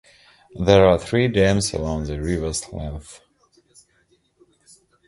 There are three dams along the river's length.